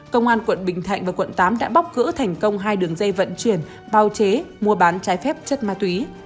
công an quận bình thạnh và quận tám đã bóc gỡ thành công hai đường dây vận chuyển bao chế mua bán trái phép chất ma túy